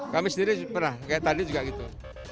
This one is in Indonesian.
kami sendiri pernah kayak tadi juga gitu